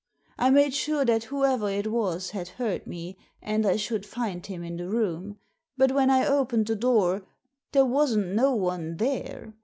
I made sure that whoever it was had heard me, and I should find him in the room ; but when I opened the door there wasn't no one there.